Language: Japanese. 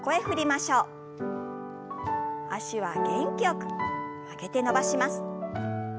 脚は元気よく曲げて伸ばします。